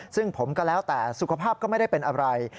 ซึ่งผมก็แล้วแต่สุขภาพก็ไม่ได้เป็นอะไร